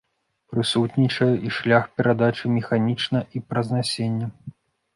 Прысутнічае і шлях перадачы механічна і праз насенне.